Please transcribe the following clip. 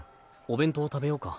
お弁当食べようか。